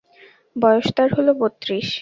বয়স তার হল বত্রিশ।